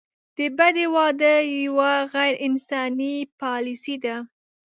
د بدۍ واده یوه غیر انساني پالیسي ده.